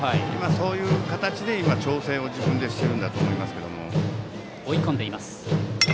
そういう形で、調整を自分でしているんだと思いますが。